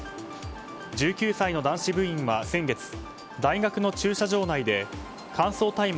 １９歳の男子部員は先月大学の駐車場内で乾燥大麻